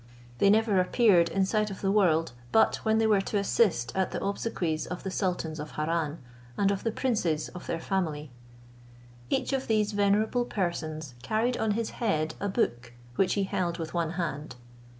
They never appeared in sight of the world, but when they were to assist at the obsequies of the sultans of Harran, and of the princes of their family. Each of these venerable persons carried on his head a book, which he held with one hand.